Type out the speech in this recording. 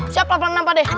siap laparan apa deh